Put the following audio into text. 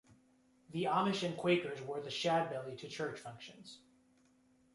The Amish and Quakers wore the shadbelly to church functions.